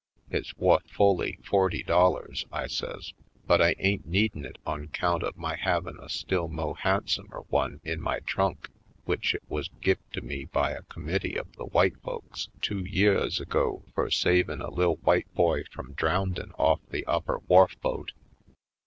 ''It's wuth fully forty dollars," I says, "but I ain't needin' it on 'count of havin' a still mo' handsomer one in my trunk, w'ich it wuz give to me by a com mittee of the w'ite folks two yeahs ago fur savin' a lil' w'ite boy from drowndin' off the upper wharf boat.